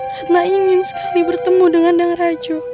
ratna ingin sekali bertemu dengan dang raju